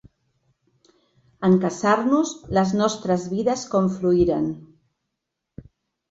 En casar-nos les nostres vides confluïren.